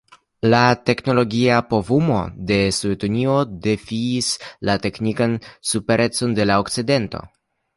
La teknologia povumo de Sovetunio defiis la teknikan superecon de la Okcidento.